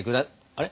あれ？